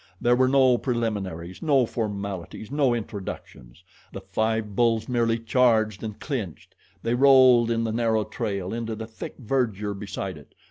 There were no preliminaries, no formalities, no introductions the five bulls merely charged and clinched. They rolled in the narrow trail and into the thick verdure beside it.